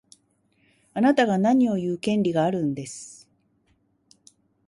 あなたが何を言う権利があるんです。